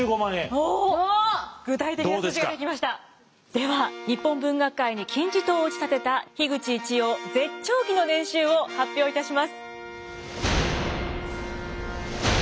では日本文学界に金字塔を打ち立てた口一葉絶頂期の年収を発表いたします。